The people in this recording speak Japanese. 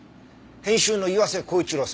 編集の岩瀬厚一郎さん